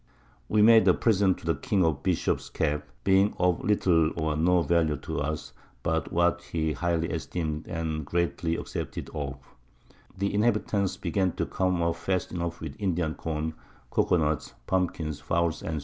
We made a Present to the King of a Bishop's Cap, being of little or no Value to us, but what he highly esteem'd and gratefully accepted of. The Inhabitants began to come off fast enough with Indian Corn, Cocoa Nutts, Pumpkins, Fowles, _&c.